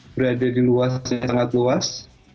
berada di luas yang sangat luas